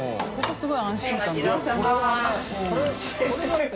・すごい！